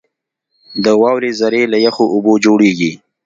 • د واورې ذرې له یخو اوبو جوړېږي.